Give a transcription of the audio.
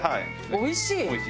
おいしい！